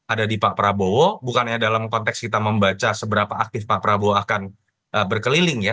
ada di pak prabowo bukannya dalam konteks kita membaca seberapa aktif pak prabowo akan berkeliling ya